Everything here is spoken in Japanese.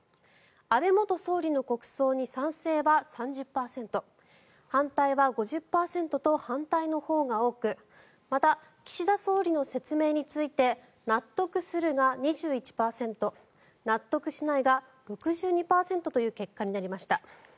安倍元総理の国葬に賛成は３０％反対は５０％と反対のほうが多くまた、岸田総理の説明について納得するが２１％納得しないが６２％という結果になりました。